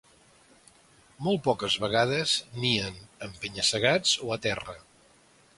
Molt poques vegades nien en penya-segats o a terra.